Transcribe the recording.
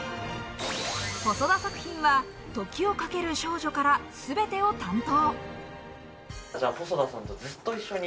細田作品は『時をかける少女』から全てを担当。